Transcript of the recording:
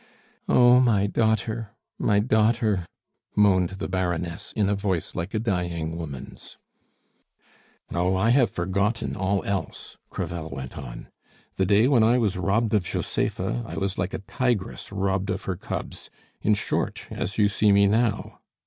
"Oh, my daughter, my daughter," moaned the Baroness in a voice like a dying woman's. "Oh! I have forgotten all else," Crevel went on. "The day when I was robbed of Josepha I was like a tigress robbed of her cubs; in short, as you see me now.